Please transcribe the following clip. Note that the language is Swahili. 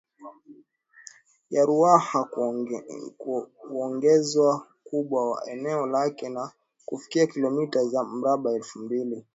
ya Ruaha kuongezwa ukubwa wa eneo lake na kufikia kilomita za mraba elfu mbili